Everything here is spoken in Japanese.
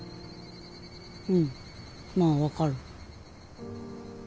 うんまあ分かる。